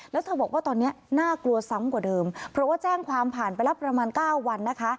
แล้วเธอบอกว่าตอนนี้น่ากลัวซ้ำกว่าเดิมเพราะว่าแจ้งความผ่านไปแล้วประมาณ๙วันนะคะ